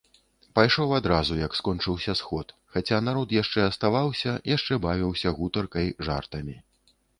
Пайшоў адразу, як скончыўся сход, хаця народ яшчэ аставаўся, яшчэ бавіўся гутаркай, жартамі.